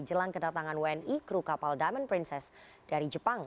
jelang kedatangan wni kru kapal diamond princess dari jepang